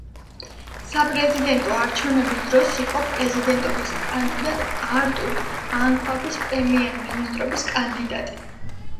საპრეზიდენტო არჩევნების დროს იყო პრეზიდენტობის კანდიდატ არტურ ანქვაბის პრემიერ-მინისტრობის კანდიდატი.